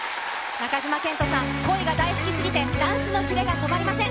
中島健人さん、恋が大好きすぎてダンスのキレが止まりません。